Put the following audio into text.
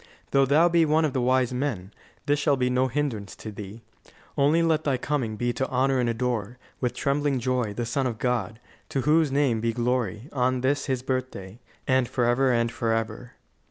Though thou be one of the wise men, this shall be no hindrance to thee. Only let thy coming be to honour and adore, with trembling joy, the Son of God, to whose name be glory, on this His birthday, and forever and forever."